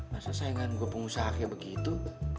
masa sayangan gue pengusaha kayak begitu